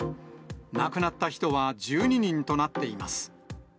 亡くなった人は１２人となっています。